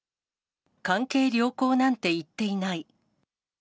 関係良好なんて言っていない。